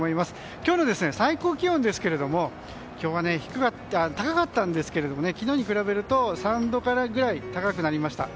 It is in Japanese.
今日の最高気温ですが今日は高かったんですけど昨日に比べると３度くらい高くなりました。